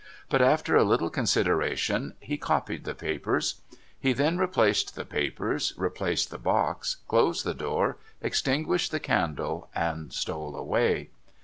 But, after a little consideration, he copied the papers. He then replaced the papers, replaced the box, closed the door, extinguished the candle, and stole away.